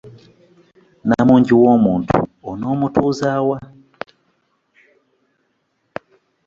Namungi w'omuntu onoomutuuza wa?